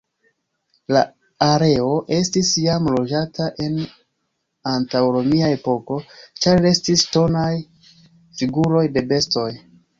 La areo estis jam loĝata en antaŭromia epoko, ĉar restis ŝtonaj figuroj de bestoj.